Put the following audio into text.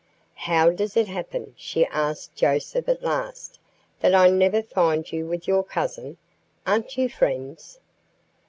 "How does it happen," she asked Joseph at last, "that I never find you with your cousin? Aren't you friends?"